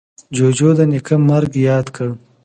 جوجو د نیکه مرگ ياد کړ.